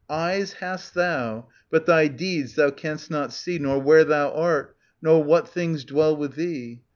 Eyes hast thou, but thy deeds thou canst not see Nor where thou art, nor what things dwell with thee.